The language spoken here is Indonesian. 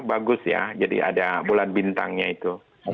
bagus ya jadi ada bulan bintangnya itu